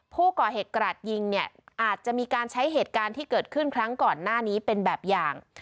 ผู้ก่อเหตุกราดยิงเนี่ยอาจจะมีการใช้เหตุการณ์ที่เกิดขึ้นครั้งก่อนหน้านี้เป็นแบบอย่าง